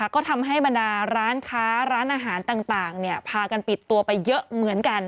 ก็ทำให้บรรดาร้านค้าร้านอาหารต่างพากันปิดตัวไปเยอะเหมือนกัน